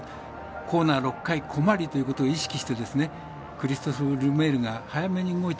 コーナー６回小回りということを意識してクリストフ・ルメールが早めに動いた。